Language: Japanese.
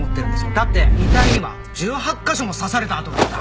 だって遺体には１８カ所も刺された痕があった。